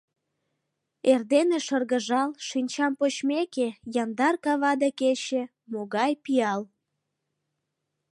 Эрдене шыргыжал, шинчам почмеке, — Яндар кава да кече — могай пиал!